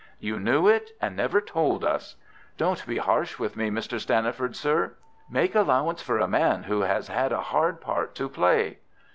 "You knew it, and never told us!" "Don't be harsh with me, Mr. Stanniford, sir! Make allowance for a man who has had a hard part to play."